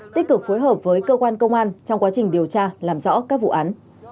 tích cực phối hợp với cơ quan công an trong quá trình điều tra làm rõ các vụ án